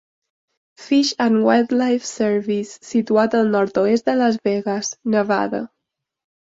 Fish and Wildlife Service, situat al nord-oest de Las Vegas, Nevada.